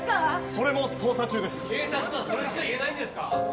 それも捜査中です・警察はそれしか言えないんですか？